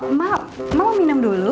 emak mau minum dulu